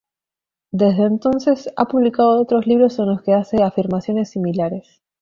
Desde entonces, ha publicado otros libros en los que hace afirmaciones similares.